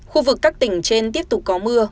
khu vực các tỉnh trên tiếp tục có mưa